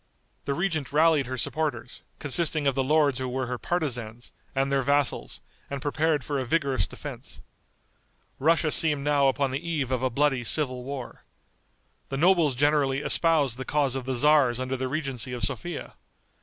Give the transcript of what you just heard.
The regent rallied her supporters, consisting of the lords who were her partisans, and their vassals, and prepared for a vigorous defense. Russia seemed now upon the eve of a bloody civil war. The nobles generally espoused the cause of the tzars under the regency of Sophia.